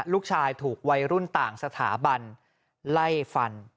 ลูกชายถูกวัยรุ่นต่างสถาบันไล่ฟัน